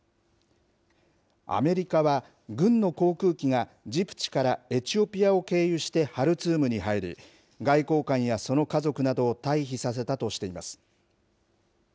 アメリカは、軍の航空機がジブチからエチオピアを経由してハルツームに入り、外交官やその家族などを退避させたとしています。